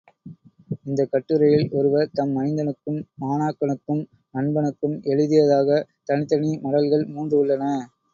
இந்தக் கட்டுரையில், ஒருவர் தம் மைந்தனுக்கும், மாணாக்கனுக்கும், நண்பனுக்கும் எழுதியதாகத் தனித் தனி மடல்கள் மூன்று உள்ளன.